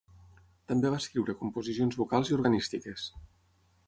També va escriure composicions vocals i organístiques.